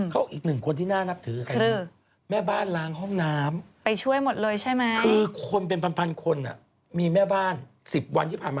เขาอีกหนึ่งคนที่น่านับถือใครนี่